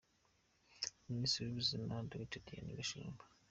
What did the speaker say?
Minisitiri w’ ubuzima Dr Diane Gashumba.